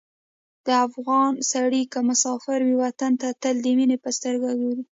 د افغان سړی که مسافر وي، وطن ته تل د مینې په سترګه ګوري.